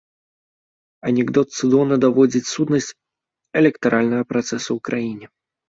Анекдот цудоўна даводзіць сутнасць электаральнага працэсу ў краіне.